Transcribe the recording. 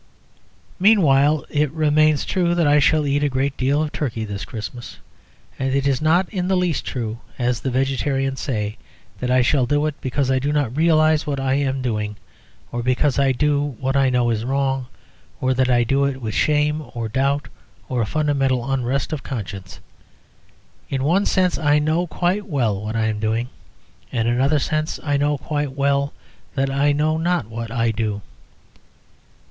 Meanwhile, it remains true that I shall eat a great deal of turkey this Christmas; and it is not in the least true (as the vegetarians say) that I shall do it because I do not realise what I am doing, or because I do what I know is wrong, or that I do it with shame or doubt or a fundamental unrest of conscience. In one sense I know quite well what I am doing; in another sense I know quite well that I know not what I do.